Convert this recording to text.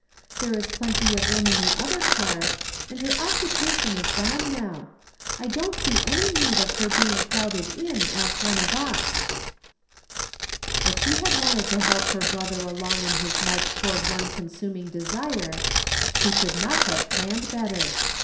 There is plenty of room in the other cars, and her occupation is gone now. I don't see any need of her being crowded in as one of us." 284 ^rom Different Standpoints. If she had wanted to help her brother along in his march toward one consuming desire, she could not have jDlanned better.